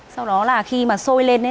sau đó là khi mà sôi lên ấy